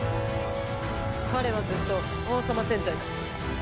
彼はずっと王様戦隊だ。